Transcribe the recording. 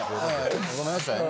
ごめんなさいね。